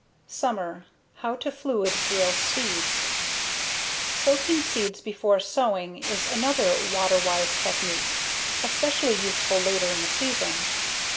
Summer: How to Fluid Drill Seeds Soaking seeds before sowing is another water wise technique, especially useful later in the season.